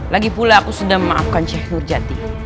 lagipula aku sudah memaafkan syekh nurjati